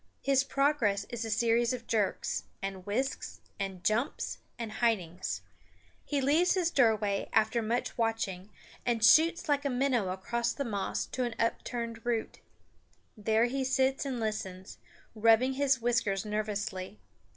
His progress is a series of jerks, and whisks, and jumps, and hidings. He leaves his doorway, after much watching, and shoots like a minnow across the moss to an upturned root. There he sits up and listens, rubbing his whiskers nervously.